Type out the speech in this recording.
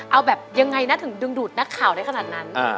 เอาแบบยังไงนะถึงดึงดูดนักข่าวได้ขนาดนั้น